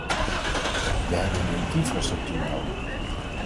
We hebben een infrastructuur nodig.